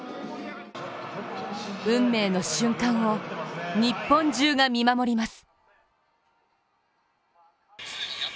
運命の瞬間を日本中が見守ります。